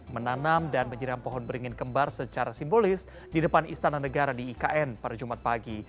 menanam dan menyiram pohon beringin kembar secara simbolis di depan istana negara di ikn pada jumat pagi